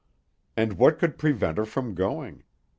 And what could prevent her from going?